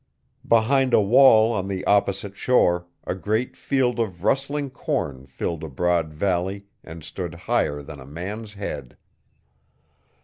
Behind a wall on the opposite shore a great field of rustling corn filled a broad valley and stood higher than a man's head.